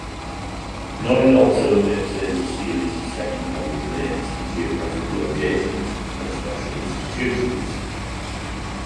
Norid also maintains a series of second-level domains for geographic locations and special institutions.